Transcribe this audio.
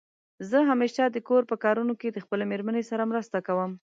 زه همېشه دکور په کارونو کې د خپلې مېرمنې سره مرسته کوم.